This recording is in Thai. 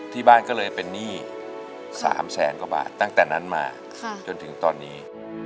ที่บ้านก็เลยเป็นหนี้๓แสนกว่าบาทตั้งแต่นั้นมาจนถึงตอนนี้